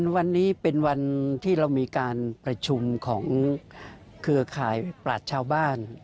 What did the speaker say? วันนี้เป็นวันที่เรามีการประชุมของเครือข่ายปราชชาวบ้าน